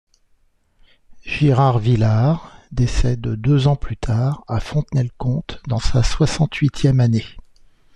Girard-Villars décède deux ans plus tard à Fontenay-le-Comte, dans sa soixante-huitième année.